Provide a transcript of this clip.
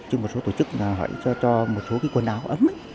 chứ một số tổ chức hỏi cho một số quần áo ấm